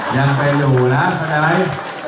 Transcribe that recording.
ยังไปอยู่นะเสียใจไหม